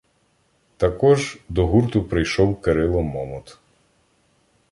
Також, до гурту прийшов Кирило Момот